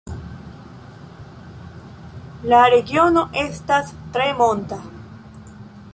La regiono estas tre monta.